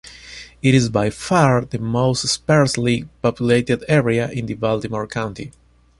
It is by far the most sparsely populated area in Baltimore County.